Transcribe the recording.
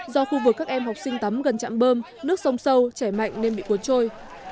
do khu vực các em học sinh tắm gần chạm bơm nước sông sâu chảy mạnh nên bị cuốn trôi